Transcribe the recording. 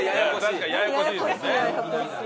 確かにややこしいですね。